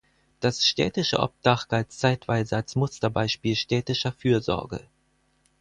Das städtische Obdach galt zeitweise als Musterbeispiel städtischer Fürsorge.